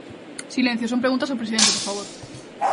Silencio, son preguntas ao presidente, por favor.